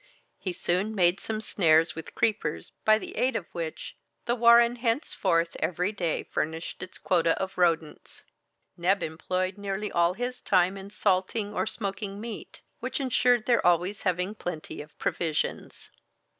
He soon made some snares with creepers, by the aid of which the warren henceforth every day furnished its quota of rodents. Neb employed nearly all his time in salting or smoking meat, which insured their always having plenty of provisions.